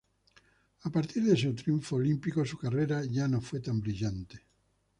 A partir de su triunfo olímpico su carrera ya no fue tan brillante.